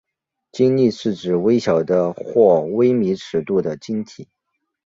晶粒是指微小的或微米尺度的晶体。